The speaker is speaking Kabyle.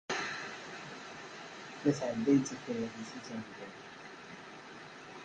La sɛeddayent akayad-nsent ameggaru.